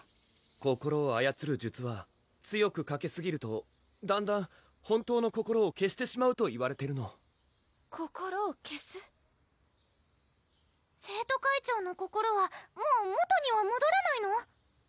心をあやつる術は強くかけすぎるとだんだん本当の心を消してしまうといわれてるの心を消す生徒会長の心はもう元にはもどらないの？